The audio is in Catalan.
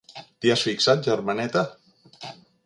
T'hi has fixat, germaneta?